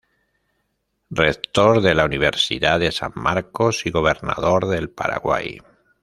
Rector de la Universidad de San Marcos y Gobernador del Paraguay.